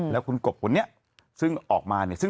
แล้วคุณกบเขาออกมาเนี่ย